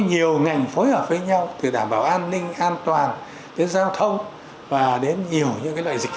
nhiều ngành phối hợp với nhau từ đảm bảo an ninh an toàn đến giao thông và đến nhiều những loại dịch